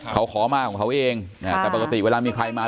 เขาขอมาของเขาเองแต่ปกติเวลามีใครมา